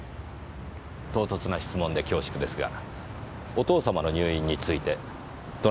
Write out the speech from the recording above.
唐突な質問で恐縮ですがお父様の入院についてどなたかに連絡されましたか？